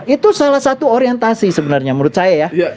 itu salah satu orientasi sebenarnya menurut saya ya